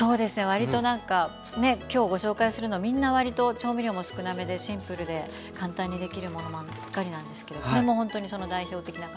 わりとなんかね今日ご紹介するのはみんなわりと調味料も少なめでシンプルで簡単にできるものばっかりなんですけどこれもほんとにその代表的な感じで。